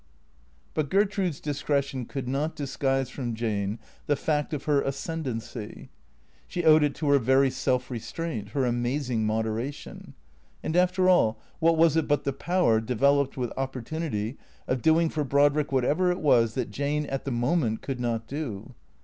But Gertrude's discretion could not disguise from Jane the fact of her ascendency. She owed it to her very self restraint, her amazing moderation. And, after all, what was it but the power, developed with opportunity, of doing for Brodrick what ever it was that Jane at the moment could not do